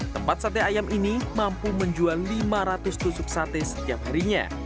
tempat sate ayam ini mampu menjual lima ratus tusuk sate setiap harinya